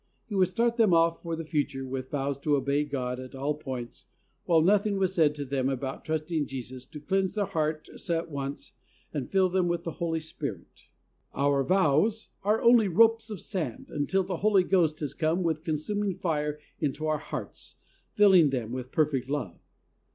He would start them off for the future with vows to obey God at all points, while nothing was said to them about trusting Jesus to cleanse their hearts at once and fill them with the Holy Spirit. Our vows are only ropes of sand, until the Holy Ghost has come with consuming fire into our hearts, filling them with perfect love.